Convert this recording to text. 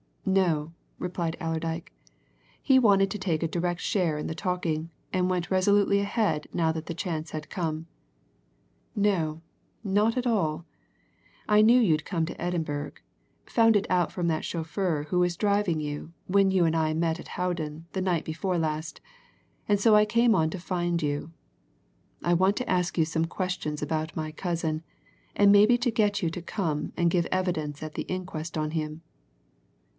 "No!" replied Allerdyke. He wanted to take a direct share in the talking, and went resolutely ahead now that the chance had come. "No not at all. I knew you'd come to Edinburgh found it out from that chauffeur who was driving you when you and I met at Howden the night before last, and so I came on to find you. I want to ask you some questions about my cousin, and maybe to get you to come and give evidence at the inquest on him."